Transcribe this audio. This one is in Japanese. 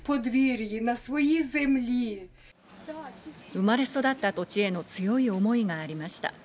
生まれ育った土地への強い思いがありました。